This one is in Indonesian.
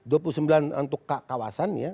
dua puluh sembilan untuk kawasan ya